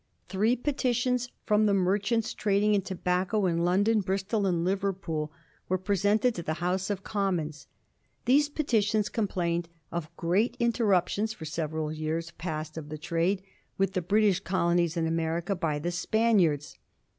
Three petitions from the merchants trading in tobacco in London, Bristol, and Liverpool, were presented to the House of Commons. These petitions complained of great interruptions for several years past of the trade with the British colonies in America by the Spaniards.